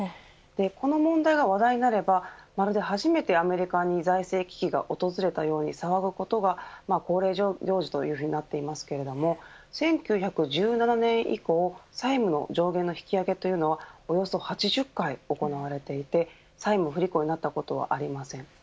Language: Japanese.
この問題が話題になればまるで初めてアメリカに財政危機が訪れたかのように騒ぐことが恒例行事となっていますけれども１９１７年以降債務の上限の引き上げというのはおよそ８０回行われていて債務不履行になったことはありません。